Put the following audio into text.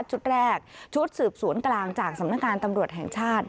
ชุดแรกชุดสืบสวนกลางจากสำนักงานตำรวจแห่งชาติ